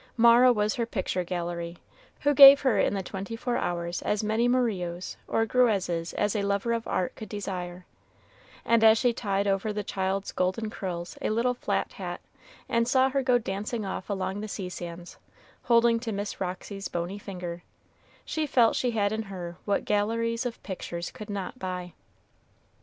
Mara was her picture gallery, who gave her in the twenty four hours as many Murillos or Greuzes as a lover of art could desire; and as she tied over the child's golden curls a little flat hat, and saw her go dancing off along the sea sands, holding to Miss Roxy's bony finger, she felt she had in her what galleries of pictures could not buy.